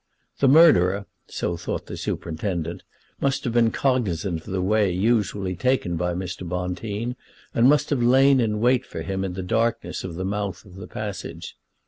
The murderer, so thought the superintendent, must have been cognizant of the way usually taken by Mr. Bonteen, and must have lain in wait for him in the darkness of the mouth of the passage.